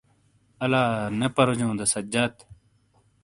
الانے پروجوں دا سجاد؟